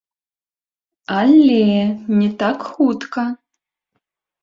Але не так хутка.